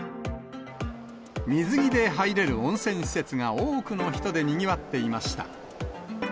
水着で入れる温泉施設が多くの人でにぎわっていました。